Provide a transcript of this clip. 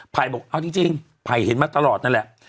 บอกเอาจริงไผ่เห็นมาตลอดนั่นแหละ